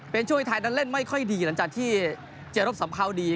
เป็นช่วยไทยนั้นเล่นไม่ค่อยดีหลังจากที่เจรบสัมภาวดี